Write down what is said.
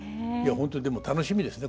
本当にでも楽しみですね